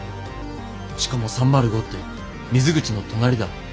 しかも３０５って水口の隣だ。